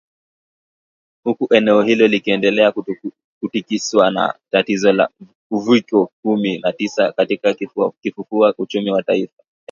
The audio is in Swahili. huku eneo hilo likiendelea kutikiswa na tatizo la uviko kumi na tisa katika kufufua uchumi wa taifa